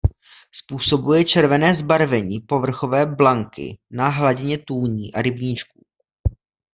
Způsobuje červené zbarvení povrchové blanky na hladině tůní a rybníčků.